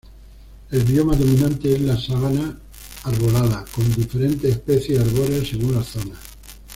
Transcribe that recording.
El bioma dominante es la sabana arbolada, con diferentes especies arbóreas según las zonas.